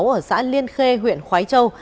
ở xã liên khê huyện khói châu